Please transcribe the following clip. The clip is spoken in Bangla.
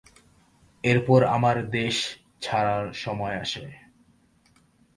এরপর আমার দেশ ছাড়ার সময় আসে।